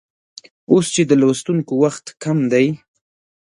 اوس چې د لوستونکو وخت کم دی